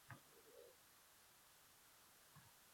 xayol boshqa narsalarga chalg‘iydi.